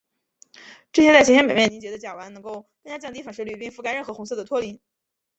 这些在行星表面凝结的甲烷能够更加降低反射率并覆盖任何红色的托林。